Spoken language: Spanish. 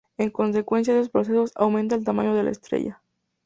En consecuencia de estos procesos, aumenta el tamaño de la estrella.